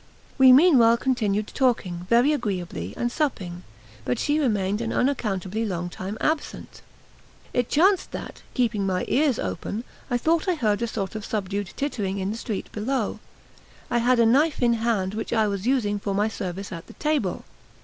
We, meanwhile, continued talking very agreeably and supping; but she remained an unaccountably long time absent. It chanced that, keeping my ears open, I thought I heard a sort of subdued tittering in the street below. I had a knife in hand, which I was using for my service at the table.